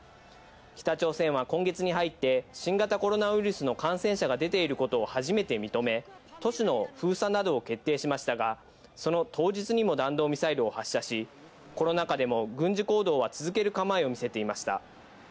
北朝鮮は今月に入って新型コロナウイルスの感染者が出ていることを初めて認め、都市の封鎖などを決定しましたが、その当日にも弾道ミサイルを発射し、コロナ禍でも軍事行動は続ける構えを見せていました。